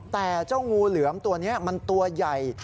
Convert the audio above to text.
แต่เจ้างูเหลือมตัวนี้มันตัวใหญ่